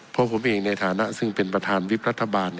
เพราะผมเองในฐานะซึ่งเป็นประธานวิบรัฐบาล